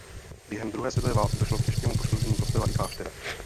Během druhé světové války došlo k těžkému poškození kostela i kláštera.